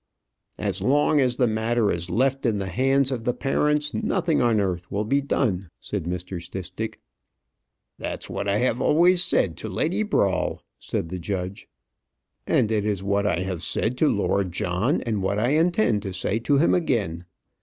"As long as the matter is left in the hands of the parents, nothing on earth will be done," said Mr. Stistick. "That's what I have always said to Lady Brawl," said the judge. "And it's what I have said to Lord John; and what I intend to say to him again.